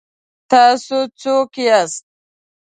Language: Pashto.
ـ تاسو څوک یاست؟